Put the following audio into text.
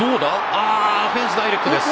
あー、フェンスダイレクトです。